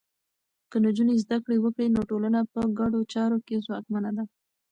که نجونې زده کړه وکړي، نو ټولنه په ګډو چارو کې ځواکمنه ده.